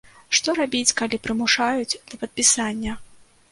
Што рабіць, калі прымушаюць да падпісання?